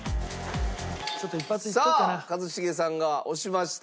さあ一茂さんが押しました。